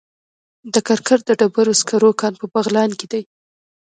د کرکر د ډبرو سکرو کان په بغلان کې دی